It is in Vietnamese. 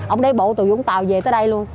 ông đi bộ từ vũng tàu về tới đây luôn